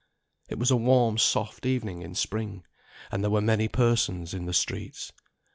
It was a warm soft evening in spring, and there were many persons in the streets.